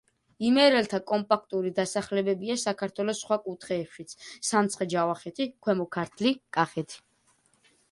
იმერელთა კომპაქტური დასახლებებია საქართველოს სხვა კუთხეებშიც: სამცხე-ჯავახეთი, ქვემო ქართლი, კახეთი.